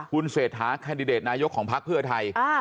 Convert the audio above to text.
คุณเศรษฐาคันดิเดตนายกของภาคเพื่อไทยอ่า